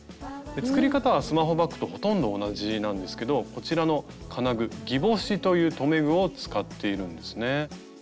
作り方はスマホバッグとほとんど同じなんですけどこちらの金具「ギボシ」という留め具を使っているんですね。